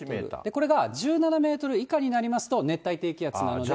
これが１７メートル以下になりますと、熱帯低気圧なので。